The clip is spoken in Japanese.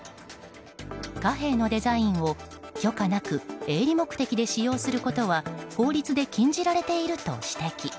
貨幣のデザインを許可なく営利目的で使用することは法律で禁じられていると指摘。